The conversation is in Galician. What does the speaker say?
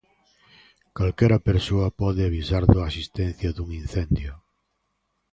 Calquera persoa pode avisar da existencia dun incendio.